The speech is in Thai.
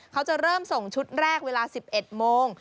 เขาจะเริ่มส่งชุดแรกเวลา๑๑โมง